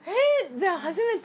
じゃあ初めて？